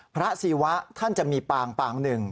พระศิวะท่านจะมีปางปางหนึ่ง